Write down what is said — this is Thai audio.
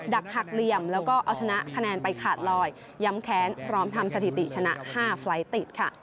ักหักเหลี่ยมแล้วก็เอาชนะคะแนนไปขาดลอยย้ำแค้นพร้อมทำสถิติชนะ๕ไฟล์ติดค่ะ